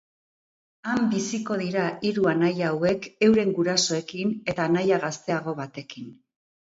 Han biziko dira hiru anaia hauek euren gurasoekin eta anaia gazteago batekin.